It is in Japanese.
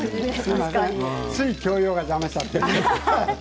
つい教養が出ちゃって。